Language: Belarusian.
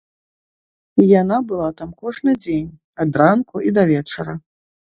Яна была там кожны дзень, адранку і да вечара.